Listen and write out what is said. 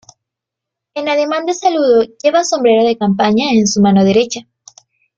En ademán de saludo lleva sombrero de campaña en su mano derecha.